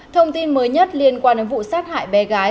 thông tin mới nhất liên quan đến vụ sát hại bé gái